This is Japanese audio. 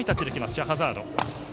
シャハザード。